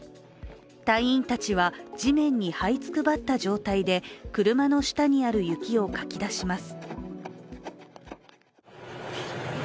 隊員たちは、地面にはいつくばった状態で車の下にある雪をかき出します。